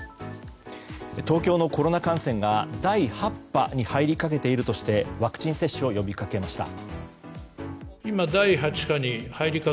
東京のコロナ感染が第８波に入りかけているとしてワクチン接種を呼びかけました。